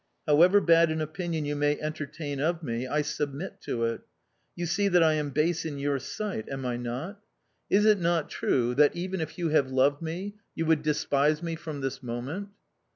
However bad an opinion you may entertain of me, I submit to it... You see that I am base in your sight, am I not?... Is it not true that, even if you have loved me, you would despise me from this moment?"...